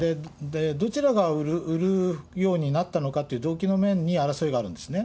どちらが売るようになったのかって動機の面に争いがあるんですね。